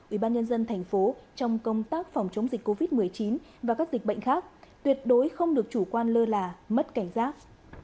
ubnd tp trong công tác phòng chống dịch covid một mươi chín và các dịch bệnh khác tuyệt đối không được chủ quan lơ là mất cảnh giác